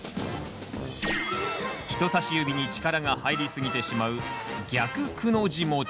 人さし指に力が入りすぎてしまう「逆『く』の字持ち」。